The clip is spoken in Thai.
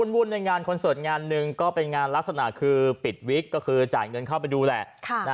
ในงานคอนเสิร์ตงานหนึ่งก็เป็นงานลักษณะคือปิดวิกก็คือจ่ายเงินเข้าไปดูแหละ